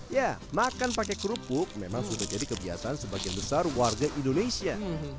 ya makan pakai kerupuk memang sudah jadi kebiasaan sebagian besar warga indonesia